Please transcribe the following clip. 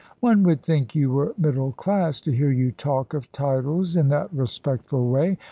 "One would think you were middle class to hear you talk of titles in that respectful way.